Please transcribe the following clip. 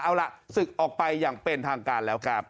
เอาล่ะศึกออกไปอย่างเป็นทางการแล้วครับ